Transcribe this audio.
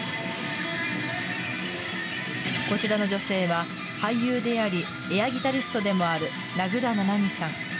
こちらの女性は、俳優であり、エアギタリストでもある名倉七海さん。